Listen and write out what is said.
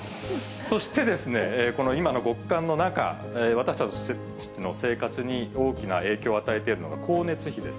そしてですね、この今の極寒の中、私たちの生活に大きな影響を与えているのが光熱費です。